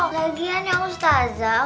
lagian ya ustazah